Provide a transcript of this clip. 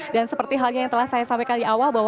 dan seperti halnya yang telah saya sampaikan di awal bahwa